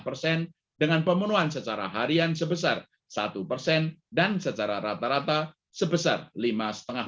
persen dengan pemenuhan secara harian sebesar satu persen dan secara rata rata sebesar lima setengah